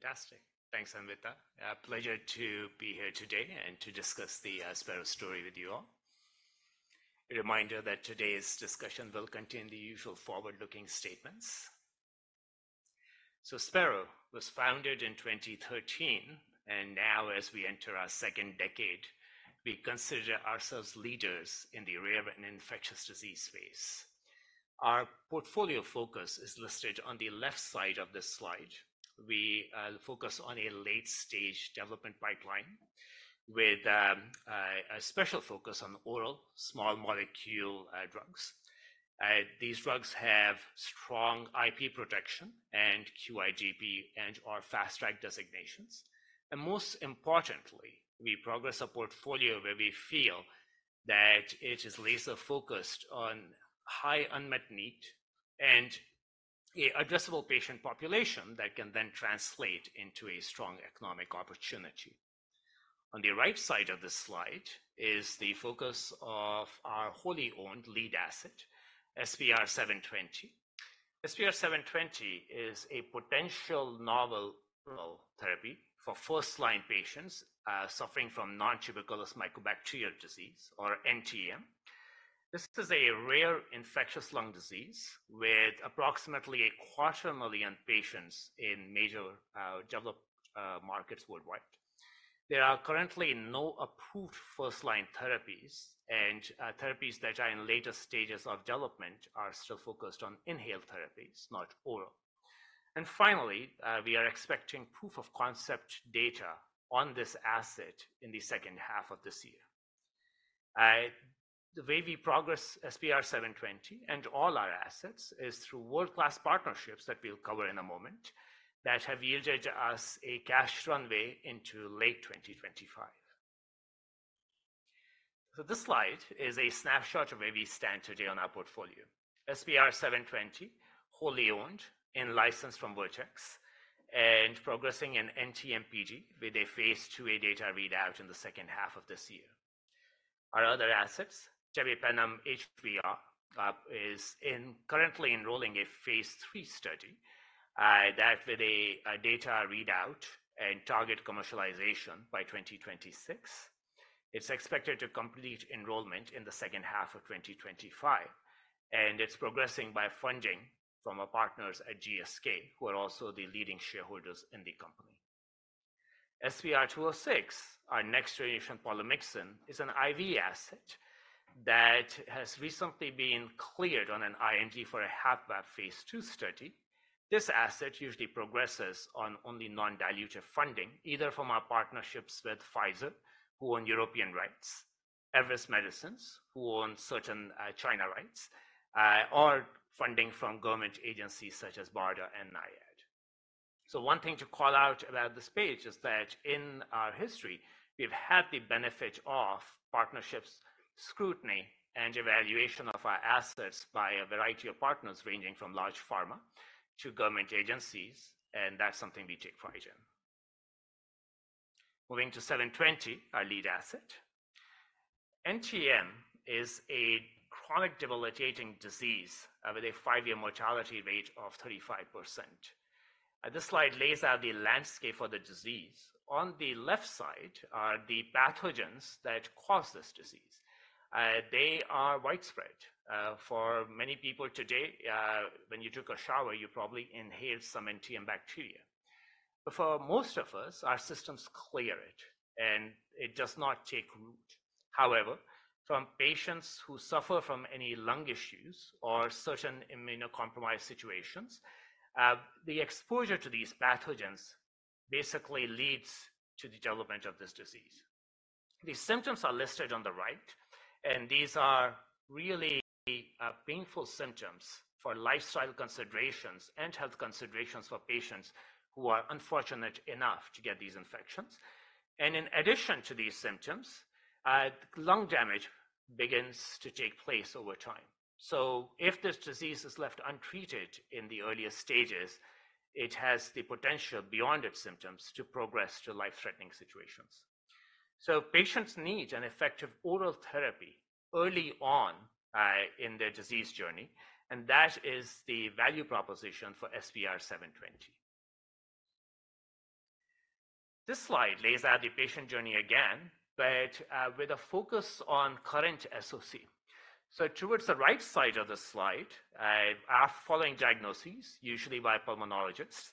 Good morning, everyone. I'm Amita Gupta from Biotech Research at TD Cowen. It's my pleasure here today to introduce Spero Therapeutics. With us today, we have Sath Shukla, President and CEO of Spero. For the audience, we'll have a round of Q&A at the end of the presentation, but then with that, yeah, I'll take it away. Fantastic! Thanks, Amita. A pleasure to be here today and to discuss the Spero story with you all. A reminder that today's discussion will contain the usual forward-looking statements. Spero was founded in 2013, and now, as we enter our second decade, we consider ourselves leaders in the rare and infectious disease space. Our portfolio focus is listed on the left side of this slide. We focus on a late-stage development pipeline with a special focus on oral small molecule drugs. These drugs have strong IP protection and QIDP and/or Fast Track designations. And most importantly, we progress a portfolio where we feel that it is laser-focused on high unmet need and a addressable patient population that can then translate into a strong economic opportunity. On the right side of this slide is the focus of our wholly-owned lead asset, SPR720. SPR720 is a potential novel oral therapy for first-line patients suffering from nontuberculous mycobacterial disease or NTM. This is a rare infectious lung disease with approximately a quarter million patients in major developed markets worldwide. There are currently no approved first-line therapies, and therapies that are in later stages of development are still focused on inhaled therapies, not oral. Finally, we are expecting proof of concept data on this asset in the second half of this year. The way we progress SPR720 and all our assets is through world-class partnerships that we'll cover in a moment, that have yielded us a cash runway into late 2025. This slide is a snapshot of where we stand today on our portfolio. SPR720, wholly owned and licensed from Vertex, and progressing in NTM-PD with a phase IIa data readout in the second half of this year. Our other assets, Tebipenem HBr, is currently enrolling a phase III study that with a data readout and target commercialization by 2026. It's expected to complete enrollment in the second half of 2025, and it's progressing by funding from our partners at GSK, who are also the leading shareholders in the company. SPR206, our next-generation polymyxin, is an IV asset that has recently been cleared on an IND for a phase II study. This asset usually progresses on only non-dilutive funding, either from our partnerships with Pfizer, who own European rights, Everest Medicines, who own certain China rights, or funding from government agencies such as BARDA and NIAID. So one thing to call out about this page is that in our history, we've had the benefit of partnerships, scrutiny, and evaluation of our assets by a variety of partners, ranging from large pharma to government agencies, and that's something we take pride in. Moving to 720, our lead asset. NTM is a chronic, debilitating disease, with a five-year mortality rate of 35%. This slide lays out the landscape for the disease. On the left side are the pathogens that cause this disease. They are widespread. For many people today, when you took a shower, you probably inhaled some NTM bacteria. But for most of us, our systems clear it, and it does not take root. However, from patients who suffer from any lung issues or certain immunocompromised situations, the exposure to these pathogens basically leads to the development of this disease. The symptoms are listed on the right, and these are really, painful symptoms for lifestyle considerations and health considerations for patients who are unfortunate enough to get these infections. And in addition to these symptoms, lung damage begins to take place over time. So if this disease is left untreated in the earliest stages, it has the potential, beyond its symptoms, to progress to life-threatening situations. So patients need an effective oral therapy early on, in their disease journey, and that is the value proposition for SPR720. This slide lays out the patient journey again, but, with a focus on current SOC. So towards the right side of the slide, are following diagnoses, usually by pulmonologists.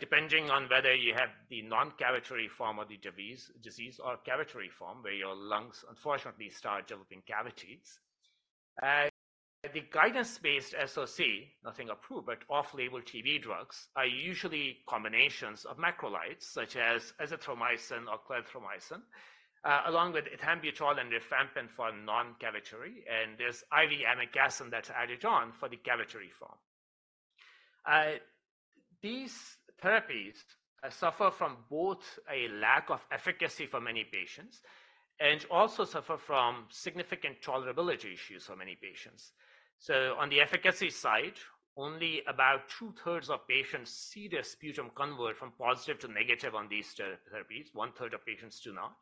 Depending on whether you have the non-cavitary form of the disease or cavitary form, where your lungs unfortunately start developing cavities. The guidance-based SOC, nothing approved, but off-label TB drugs are usually combinations of macrolides, such as azithromycin or clarithromycin, along with ethambutol and rifampin for non-cavitary, and there's IV amikacin that's added on for the cavitary form. These therapies suffer from both a lack of efficacy for many patients and also suffer from significant tolerability issues for many patients. So on the efficacy side, only about 2/3 of patients see their sputum convert from positive to negative on these therapies 1/3 of patients do not.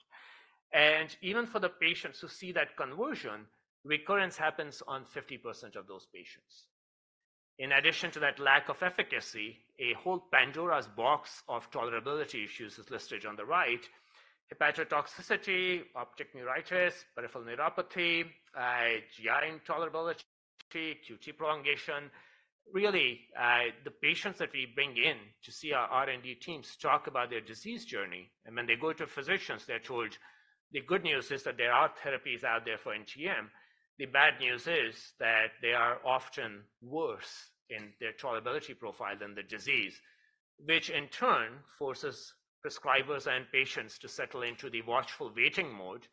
And even for the patients who see that conversion, recurrence happens on 50% of those patients. In addition to that lack of efficacy, a whole Pandora's box of tolerability issues is listed on the right: hepatotoxicity, optic neuritis, peripheral neuropathy, GI intolerability, QT prolongation. Really, the patients that we bring in to see our R&D teams talk about their disease journey, and when they go to physicians, they're told the good news is that there are therapies out there for NTM. The bad news is that they are often worse in their tolerability profile than the disease, which in turn forces prescribers and patients to settle into the watchful waiting mode,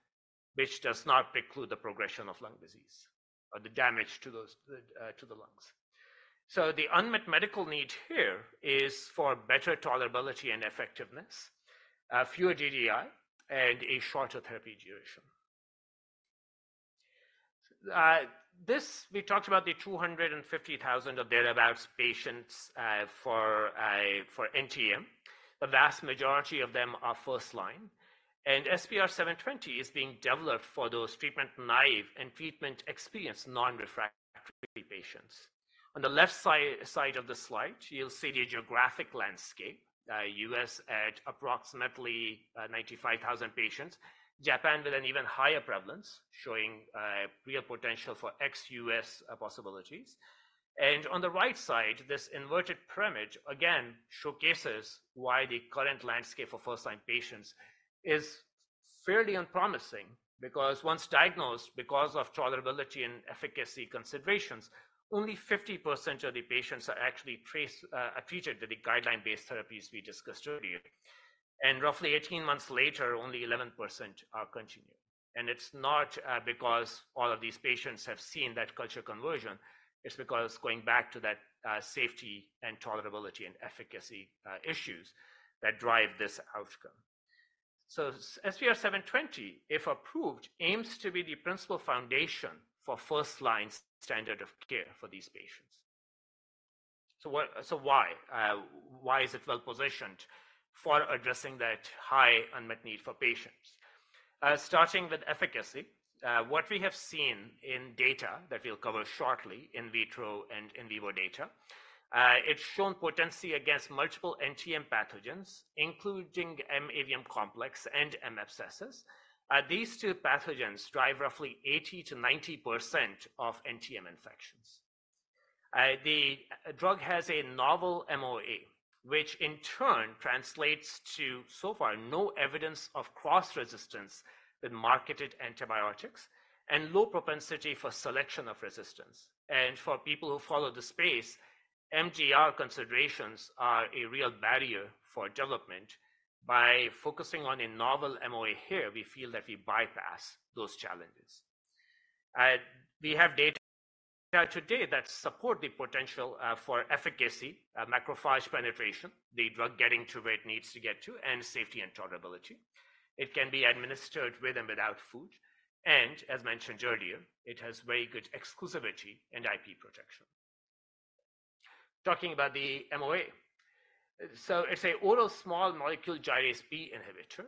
which does not preclude the progression of lung disease or the damage to those, to the lungs. So the unmet medical need here is for better tolerability and effectiveness, fewer DDI, and a shorter therapy duration. This, we talked about the 250,000 or thereabouts patients for NTM. The vast majority of them are first-line, and SPR720 is being developed for those treatment-naive and treatment-experienced non-refractory patients. On the left side of the slide, you'll see the geographic landscape, U.S. at approximately 95,000 patients, Japan with an even higher prevalence, showing real potential for ex-U.S. possibilities. And on the right side, this inverted pyramid, again, showcases why the current landscape for first-line patients is fairly unpromising. Because once diagnosed, because of tolerability and efficacy considerations, only 50% of the patients are actually treated with the guideline-based therapies we discussed earlier. And roughly 18 months later, only 11% continue. And it's not because all of these patients have seen that culture conversion. It's because going back to that, safety and tolerability and efficacy issues that drive this outcome. So SPR720, if approved, aims to be the principal foundation for first-line standard of care for these patients. So what— So why is it well-positioned for addressing that high unmet need for patients? Starting with efficacy, what we have seen in data that we'll cover shortly, in vitro and in vivo data, it's shown potency against multiple NTM pathogens, including M. avium complex and M. abscessus. These two pathogens drive roughly 80%-90% of NTM infections. The drug has a novel MOA, which in turn translates to, so far, no evidence of cross-resistance with marketed antibiotics and low propensity for selection of resistance. And for people who follow the space, MDR considerations are a real barrier for development. By focusing on a novel MOA here, we feel that we bypass those challenges. We have data today that support the potential for efficacy, macrophage penetration, the drug getting to where it needs to get to, and safety and tolerability. It can be administered with and without food, and as mentioned earlier, it has very good exclusivity and IP protection. Talking about the MOA. So it's an oral small molecule gyrase B inhibitor.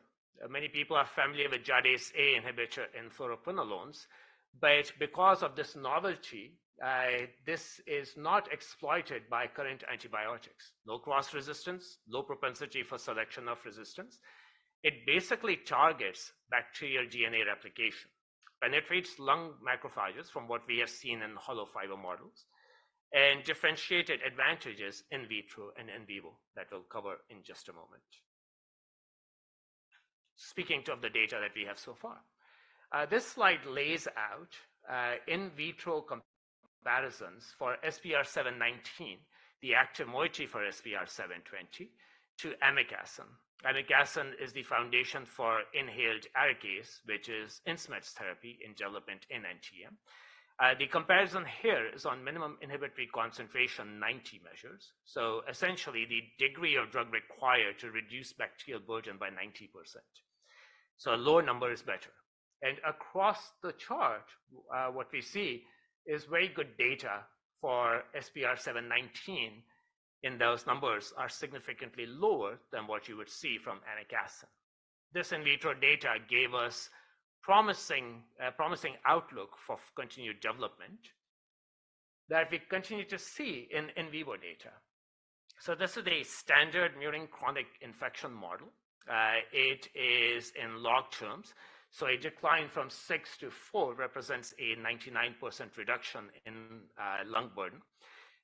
Many people are familiar with gyrase A inhibitor in fluoroquinolones, but because of this novelty, this is not exploited by current antibiotics. No cross-resistance, low propensity for selection of resistance. It basically targets bacterial DNA replication, penetrates lung macrophages from what we have seen in hollow fiber models, and differentiated advantages in vitro and in vivo that we'll cover in just a moment. Speaking of the data that we have so far, this slide lays out in vitro comparisons for SPR719, the active moiety for SPR720, to amikacin. Amikacin is the foundation for inhaled Arikayce, which is Insmed's therapy in development in NTM. The comparison here is on minimum inhibitory concentration 90 measures, so essentially, the degree of drug required to reduce bacterial burden by 90%. So a lower number is better. And across the chart, what we see is very good data for SPR719, and those numbers are significantly lower than what you would see from amikacin. This in vitro data gave us promising, promising outlook for continued development that we continue to see in vivo data. So this is a standard murine chronic infection model. It is in log terms, so a decline from 6-4 represents a 99% reduction in lung burden.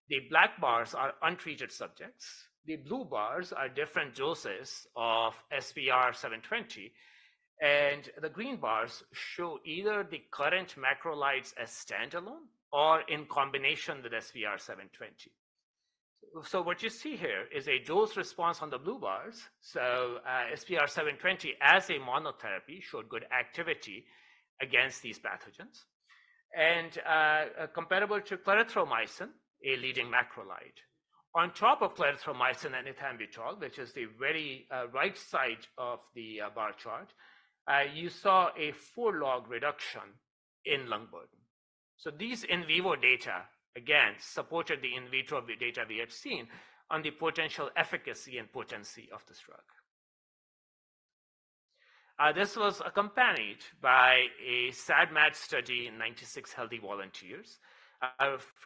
The black bars are untreated subjects. The blue bars are different doses of SPR720, and the green bars show either the current macrolides as standalone or in combination with SPR720. So what you see here is a dose response on the blue bars. So, SPR720 as a monotherapy showed good activity against these pathogens and comparable to clarithromycin, a leading macrolide on top of clarithromycin and ethambutol, which is the very right side of the bar chart, you saw a four-log reduction in lung burden. So these in vivo data, again, supported the in vivo data we have seen on the potential efficacy and potency of this drug. This was accompanied by a SAD/MAD study in 96 healthy volunteers,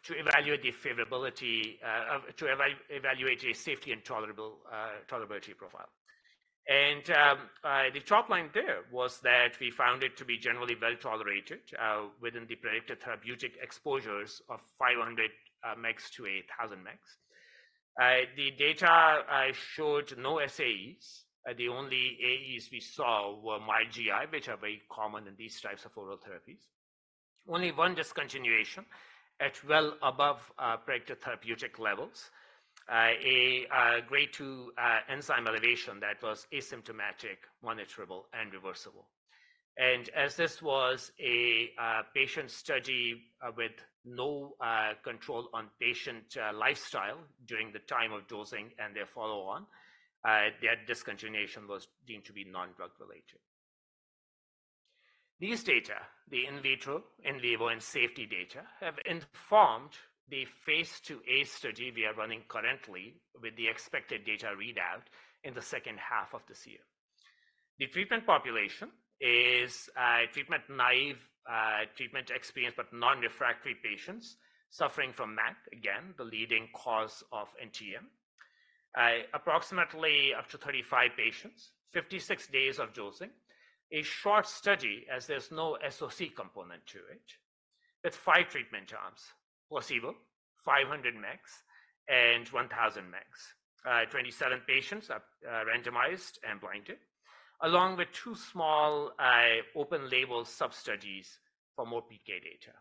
to evaluate the favorability of to evaluate a safety and tolerability profile. And, the top line there was that we found it to be generally well-tolerated, within the predicted therapeutic exposures of 500 mg-1,000 mg. The data showed no SAEs. The only AEs we saw were mild GI, which are very common in these types of oral therapies. Only one discontinuation at well above predicted therapeutic levels. A grade 2 enzyme elevation that was asymptomatic, monitorable, and reversible. And as this was a patient study with no control on patient lifestyle during the time of dosing and their follow-on, that discontinuation was deemed to be non-drug related. These data, the in vitro, in vivo, and safety data, have informed the phase IIa study we are running currently, with the expected data readout in the second half of this year. The treatment population is treatment-naive, treatment-experienced, but non-refractory patients suffering from MAC, again, the leading cause of NTM. Approximately up to 35 patients, 56 days of dosing. A short study, as there's no SOC component to it, with five treatment arms: placebo, 500 mg, and 1,000 mg. 27 patients are randomized and blinded, along with two small open-label sub-studies for more PK data.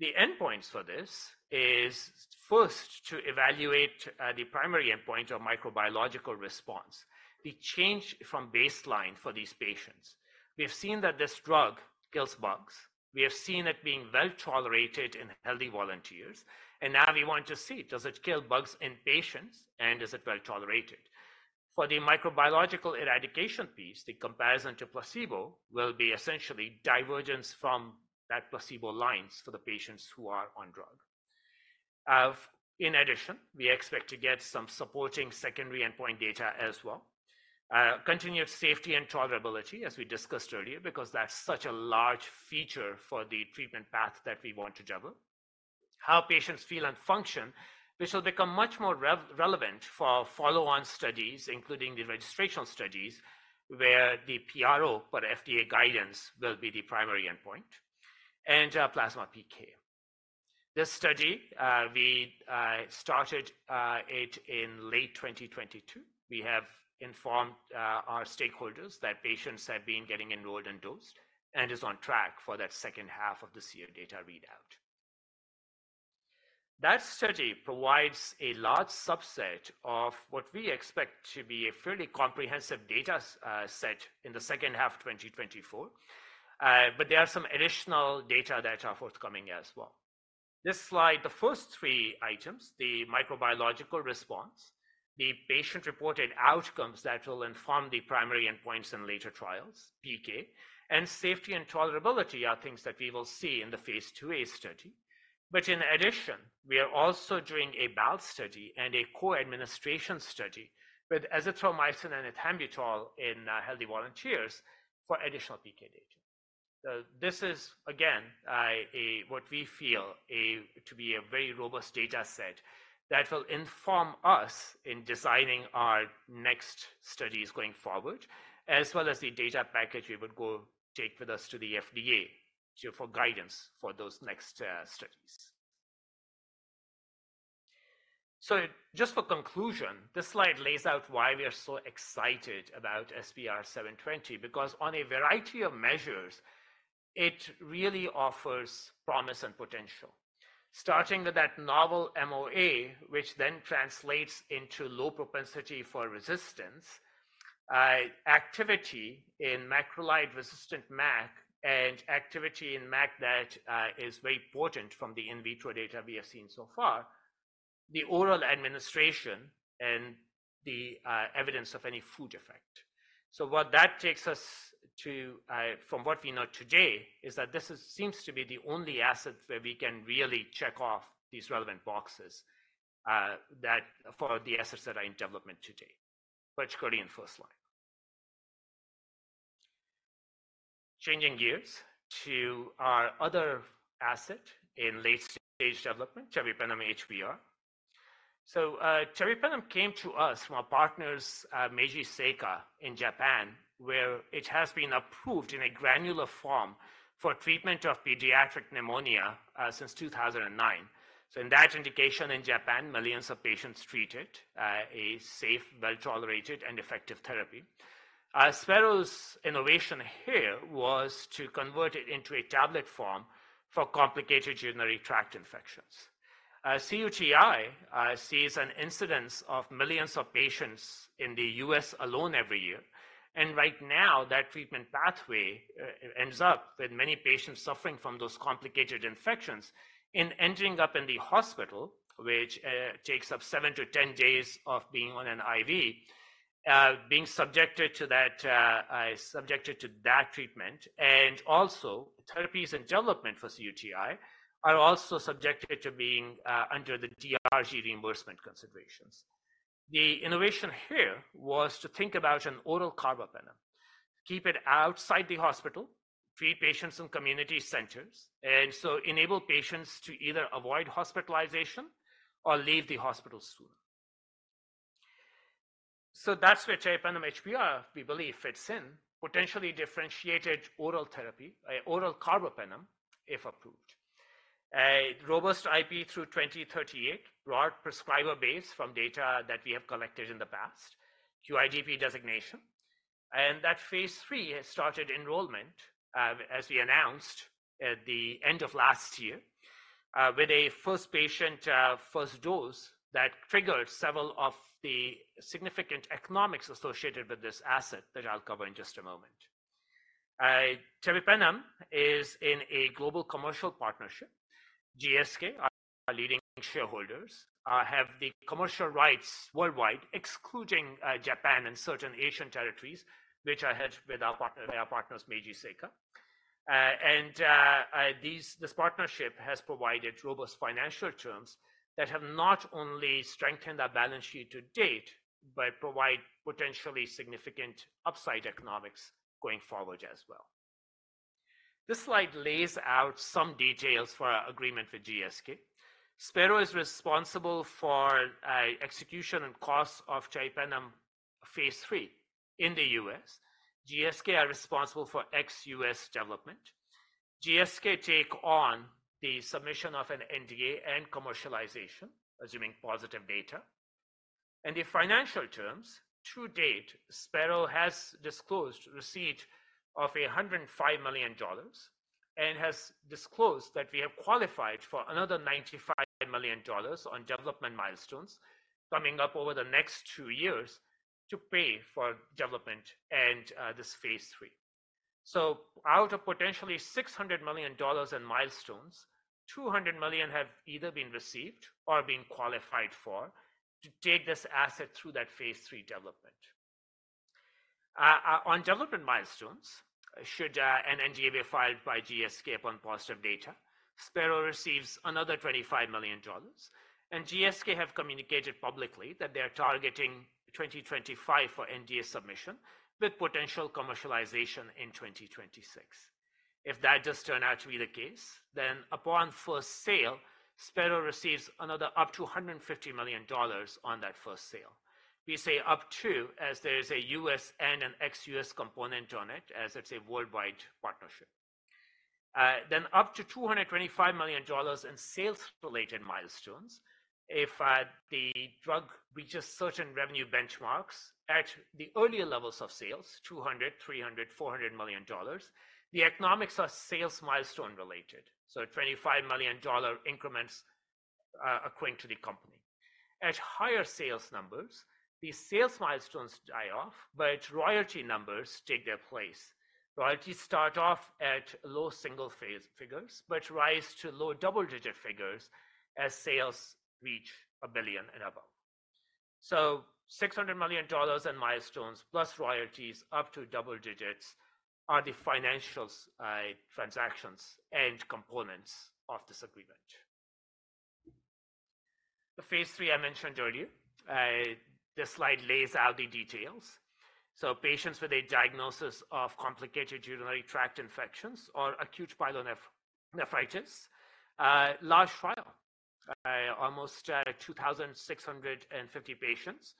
The endpoints for this is first to evaluate the primary endpoint of microbiological response, the change from baseline for these patients. We have seen that this drug kills bugs. We have seen it being well-tolerated in healthy volunteers, and now we want to see, does it kill bugs in patients, and is it well-tolerated? For the microbiological eradication piece, the comparison to placebo will be essentially divergence from that placebo lines for the patients who are on drug. In addition, we expect to get some supporting secondary endpoint data as well. Continued safety and tolerability, as we discussed earlier, because that's such a large feature for the treatment path that we want to travel. How patients feel and function, which will become much more relevant for follow-on studies, including the registrational studies, where the PRO per FDA guidance will be the primary endpoint, and plasma PK. This study, we started it in late 2022. We have informed our stakeholders that patients have been getting enrolled and dosed and is on track for that second half of this year data readout. That study provides a large subset of what we expect to be a fairly comprehensive data set in the second half of 2024. But there are some additional data that are forthcoming as well. This slide, the first three items, the microbiological response, the patient-reported outcomes that will inform the primary endpoints in later trials, PK, and safety and tolerability, are things that we will see in the phase IIa study. But in addition, we are also doing a BAL study and a co-administration study with azithromycin and ethambutol in healthy volunteers for additional PK data. So this is, again, a...what we feel to be a very robust data set that will inform us in designing our next studies going forward, as well as the data package we would go take with us to the FDA for guidance for those next studies. So just for conclusion, this slide lays out why we are so excited about SPR720, because on a variety of measures, it really offers promise and potential. Starting with that novel MOA, which then translates into low propensity for resistance, activity in macrolide-resistant MAC, and activity in MAC that is very potent from the in vitro data we have seen so far, the oral administration, and the evidence of any food effect. So what that takes us to, from what we know today, is that this seems to be the only asset where we can really check off these relevant boxes, that for the assets that are in development today. But go to the first slide. Changing gears to our other asset in late-stage development, tebipenem HBr. So, tebipenem came to us from our partners, Meiji Seika, in Japan, where it has been approved in a granular form for treatment of pediatric pneumonia, since 2009. So in that indication, in Japan, millions of patients treated, a safe, well-tolerated, and effective therapy. Spero's innovation here was to convert it into a tablet form for complicated urinary tract infections. cUTI sees an incidence of millions of patients in the U.S. alone every year, and right now, that treatment pathway ends up with many patients suffering from those complicated infections and ending up in the hospital, which takes up 7-10 days of being on an IV, being subjected to that treatment and also therapies and development for cUTI are also subjected to being under the DRG reimbursement considerations. The innovation here was to think about an oral carbapenem, keep it outside the hospital, treat patients in community centers, and so enable patients to either avoid hospitalization or leave the hospital sooner. So that's where tebipenem HBr, we believe, fits in. Potentially differentiated oral therapy, a oral carbapenem, if approved. A robust IP through 2038, broad prescriber base from data that we have collected in the past, QIDP designation, and that phase III has started enrollment, as we announced at the end of last year, with a first patient, first dose that triggered several of the significant economics associated with this asset that I'll cover in just a moment. Tebipenem is in a global commercial partnership. GSK, our leading shareholders, have the commercial rights worldwide, excluding Japan and certain Asian territories, which are held by our partners, Meiji Seika. And this partnership has provided robust financial terms that have not only strengthened our balance sheet to date but provide potentially significant upside economics going forward as well. This slide lays out some details for our agreement with GSK. Spero is responsible for execution and costs of tebipenem Phase III in the U.S. GSK are responsible for ex-U.S. development. GSK take on the submission of an NDA and commercialization, assuming positive data. And the financial terms, to date, Spero has disclosed receipt of $105 million and has disclosed that we have qualified for another $95 million on development milestones coming up over the next two years to pay for development and this Phase III. So out of potentially $600 million in milestones, $200 million have either been received or been qualified for to take this asset through that Phase III development. On development milestones, should an NDA be filed by GSK upon positive data, Spero receives another $25 million, and GSK have communicated publicly that they are targeting 2025 for NDA submission, with potential commercialization in 2026. If that does turn out to be the case, then upon first sale, Spero receives another up to $150 million on that first sale. We say up to, as there's a U.S. and an ex-U.S. component on it, as it's a worldwide partnership. Then up to $225 million in sales-related milestones. If the drug reaches certain revenue benchmarks at the earlier levels of sales, $200, $300, $400 million, the economics are sales milestone related, so $25 million increments, according to the company. At higher sales numbers, these sales milestones die off, but royalty numbers take their place. Royalties start off at low single-digit figures but rise to low double-digit figures as sales reach a billion and above. So $600 million in milestones, plus royalties up to double digits, are the financials, transactions and components of this agreement. The Phase III I mentioned earlier, this slide lays out the details. So patients with a diagnosis of complicated urinary tract infections or acute pyelonephritis, large trial, almost 2,650 patients,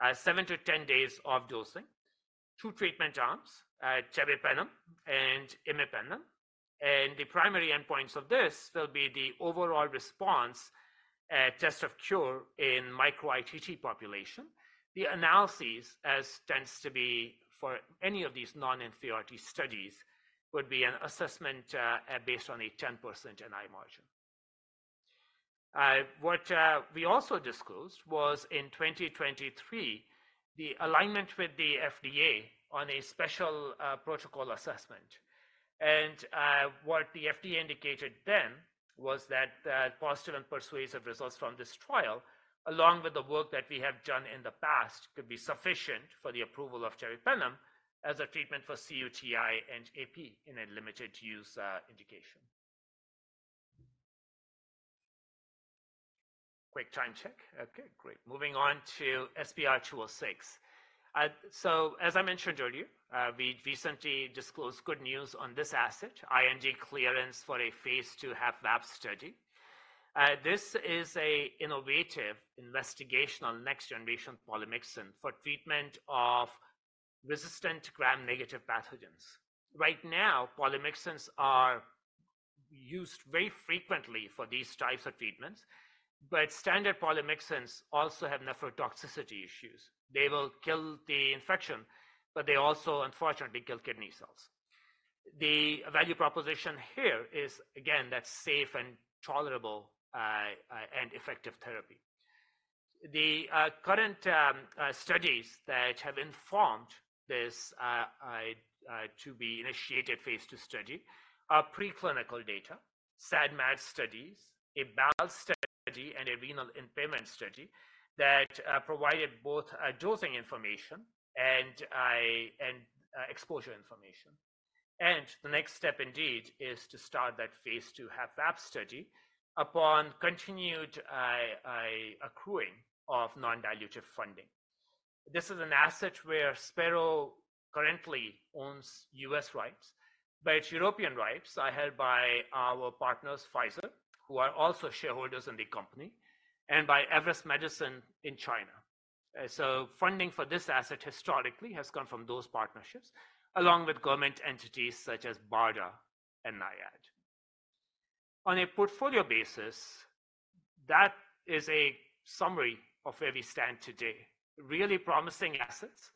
7-10 days of dosing, two treatment arms, tebipenem and imipenem. And the primary endpoints of this will be the overall response, test of cure in micro-ITT population. The analysis, as tends to be for any of these non-inferiority studies, would be an assessment based on a 10% NI margin. What we also disclosed was in 2023, the alignment with the FDA on a special protocol assessment. What the FDA indicated then was that positive and persuasive results from this trial, along with the work that we have done in the past, could be sufficient for the approval of tebipenem as a treatment for cUTI and AP in a limited use indication. Quick time check. Okay, great. Moving on to SPR206. So as I mentioned earlier, we recently disclosed good news on this asset, IND clearance for a Phase II HABP study. This is a innovative investigational next-generation polymyxin for treatment of resistant Gram-negative pathogens. Right now, polymyxins are used very frequently for these types of treatments, but standard polymyxins also have nephrotoxicity issues. They will kill the infection, but they also unfortunately kill kidney cells. The value proposition here is, again, that safe and tolerable and effective therapy. The current studies that have informed this to-be-initiated phase II study are preclinical data, SAD/MAD studies, a BAL study, and a renal impairment study that provided both dosing information and exposure information. And the next step indeed is to start that phase II HABP study upon continued accruing of non-dilutive funding. This is an asset where Spero currently owns U.S. rights, but its European rights are held by our partners, Pfizer, who are also shareholders in the company, and by Everest Medicines in China. So, funding for this asset historically has come from those partnerships, along with government entities such as BARDA and NIAID. On a portfolio basis, that is a summary of where we stand today. Really promising assets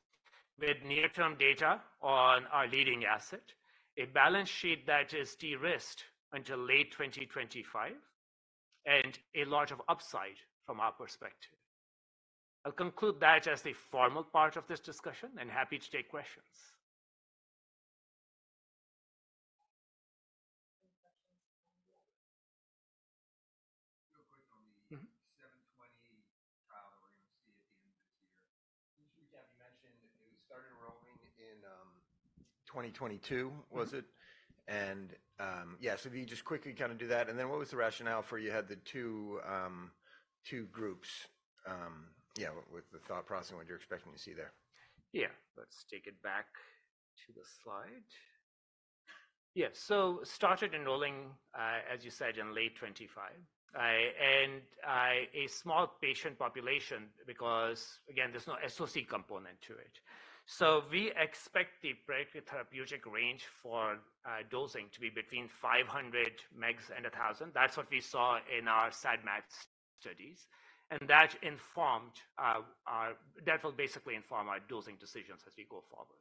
with near-term data on our leading asset, a balance sheet that is de-risked until late 2025, and a lot of upside from our perspective. I'll conclude that as the formal part of this discussion and happy to take questions. Real quick on the- Mm-hmm. 720 trial that we're going to see at the end of this year. You, you mentioned that you started enrolling in 2022, was it? mmmmh So if you just quickly kind of do that, and then what was the rationale for you had the two groups, with the thought process and what you're expecting to see there? Yeah. Let's take it back to the slide. Yeah, so started enrolling, as you said, in late 2025. And, a small patient population because, again, there's no SOC component to it. So we expect the therapeutic range for, dosing to be between 500 mg and 1,000mg. That's what we saw in our SAD/MAD studies, and that will basically inform our dosing decisions as we go forward.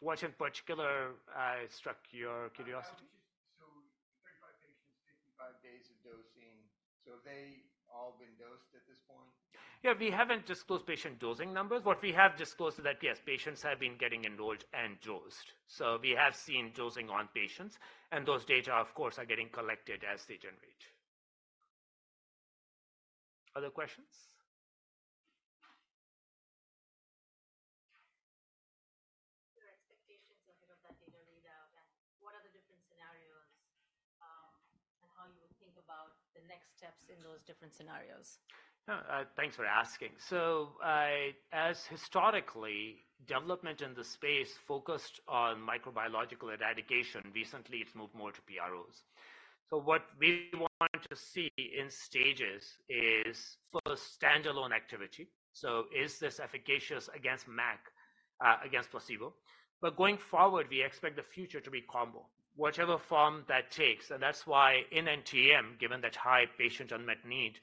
What in particular struck your curiosity? So 35 patients, 55 days of dosing. So have they all been dosed at this point? Yeah, we haven't disclosed patient dosing numbers, but we have disclosed that, yes, patients have been getting enrolled and dosed. So we have seen dosing on patients, and those data, of course, are getting collected as they generate. Other questions? Your expectations a bit of that data read out, and what are the different scenarios, and how you would think about the next steps in those different scenarios? Thanks for asking. As historically, development in the space focused on microbiological eradication. Recently, it's moved more to PROs. What we want to see in stages is first standalone activity. Is this efficacious against MAC, against placebo? Going forward, we expect the future to be combo, whichever form that takes, and that's why in NTM, given that high patient unmet need,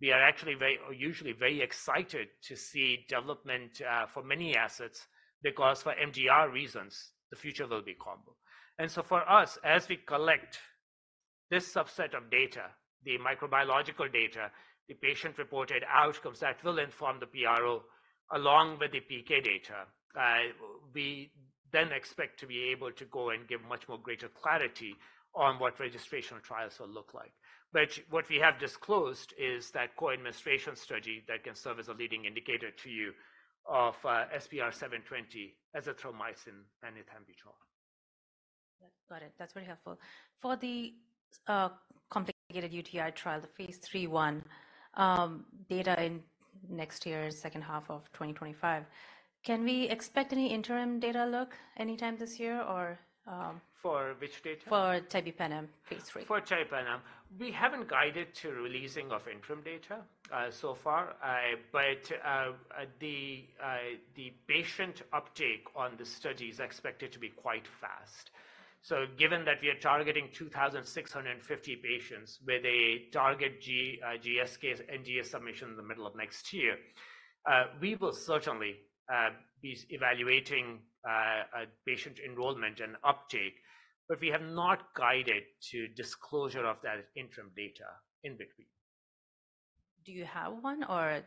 we are actually very usually very excited to see development for many assets, because for MDR reasons, the future will be combo. For us, as we collect this subset of data, the microbiological data, the patient-reported outcomes, that will inform the PRO along with the PK data. We then expect to be able to go and give much more greater clarity on what registrational trials will look like. But what we have disclosed is that co-administration study that can serve as a leading indicator to you of SPR720, azithromycin, and ethambutol. Got it. That's very helpful. For the complicated UTI trial, the Phase III one, data in next year's second half of 2025, can we expect any interim data look anytime this year or, For which data? For tebipenem phase III. For tebipenem. We haven't guided to releasing of interim data, so far, the patient uptake on the study is expected to be quite fast. So given that we are targeting 2,650 patients, with a target NDA submission in the middle of next year, we will certainly be evaluating patient enrollment and uptake, but we have not guided to disclosure of that interim data in between. Do you have one, or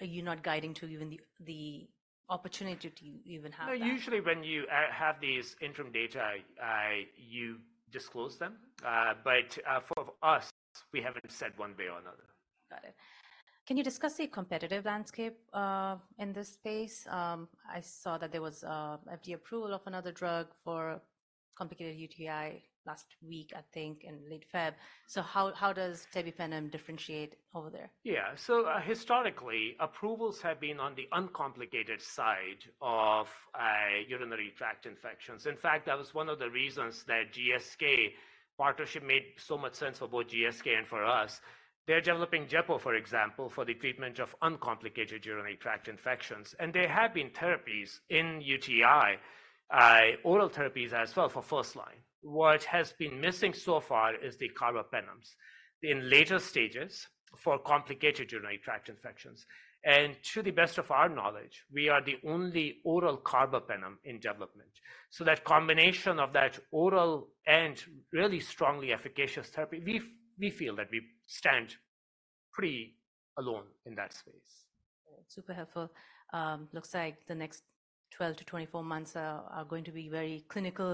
are you not guiding to even the opportunity to even have that? No, usually, when you have these interim data, you disclose them. But, for us, we haven't said one way or another. Got it. Can you discuss the competitive landscape in this space? I saw that there was FDA approval of another drug for complicated UTI last week, I think, in late February. So how does tebipenem differentiate over there? Yeah. So, historically, approvals have been on the uncomplicated side of urinary tract infections. In fact, that was one of the reasons that GSK partnership made so much sense for both GSK and for us. They're developing gepotidacin for example for the treatment of uncomplicated urinary tract infection and there have been therapies in UTI.Oral therapies as well for first-line. What has been missing so far are the carbapenems in later stages for complicated urinary tract infection and to the best of our knowledge we are the only oral carbapenem ,so that combination of oral and really strong efficacious therapy we feel that we stand pretty alone in this. Super helpful. Looks like the next 12-24 months are going to be very clinical-